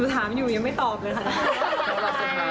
ถามอยู่ยังไม่ตอบเลยค่ะ